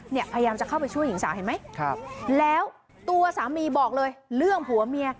พยายามจะเข้าไปช่วยหญิงสาวเห็นไหมครับแล้วตัวสามีบอกเลยเรื่องผัวเมีย